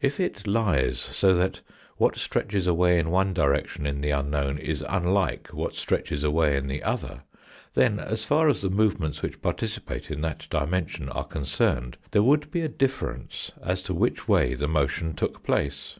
If it lies so that what stretches away in one direction in the unknown is unlike what stretches away in the other, then, as far as the movements which participate in that dimension are con cerned, there would be a difference as to which way the motion took place.